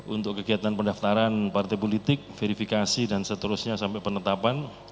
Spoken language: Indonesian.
untuk kegiatan pendaftaran partai politik verifikasi dan seterusnya sampai penetapan